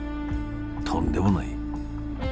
とんでもない。